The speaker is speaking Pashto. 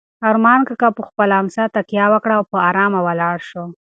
ارمان کاکا په خپله امسا تکیه وکړه او په ارامه ولاړ شو.